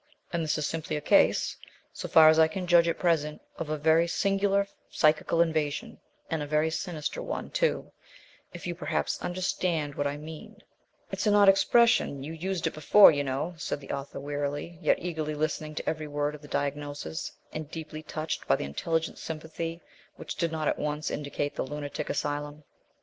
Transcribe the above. " and this is simply a case, so far as I can judge at present, of a very singular psychical invasion, and a very sinister one, too, if you perhaps understand what I mean " "It's an odd expression; you used it before, you know," said the author wearily, yet eagerly listening to every word of the diagnosis, and deeply touched by the intelligent sympathy which did not at once indicate the lunatic asylum.